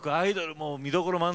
もう見どころ満載。